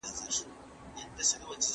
څنګه پولیس د لاریون کوونکو امنیت ساتي؟